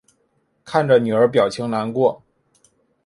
看着女儿表情难过